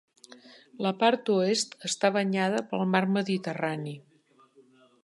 La part oest està banyada pel Mar Mediterrani.